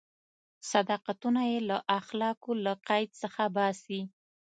صداقتونه یې له اخلاقو له قید څخه باسي.